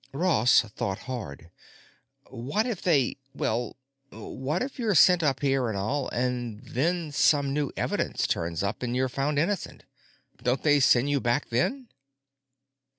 Ross thought hard. "What if they—well, what if you're sent up here and all, and then some new evidence turns up and you're found innocent? Don't they send you back then?"